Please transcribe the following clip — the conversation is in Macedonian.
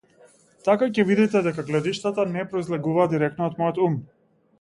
Така ќе видите дека гледиштата не произлегуваат дирекно од мојот ум.